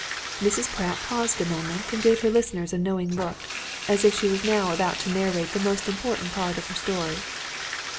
Mrs. Pratt paused a moment, and gave her listeners a knowing look, as if she was now about to narrate the most important part of her story.